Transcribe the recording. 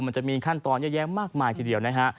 มันจะมีขั้นตอนเยอะแยะมากมายทีเดียวนะฮะ